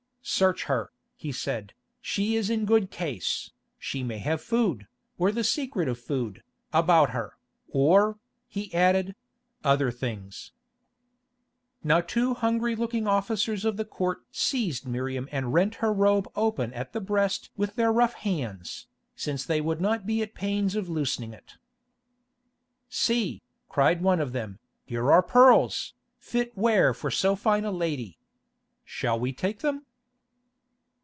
"Search her," he said, "she is in good case, she may have food, or the secret of food, about her, or," he added—"other things." Now two hungry looking officers of the court seized Miriam and rent her robe open at the breast with their rough hands, since they would not be at the pains of loosening it. "See," cried one of them, "here are pearls, fit wear for so fine a lady. Shall we take them?"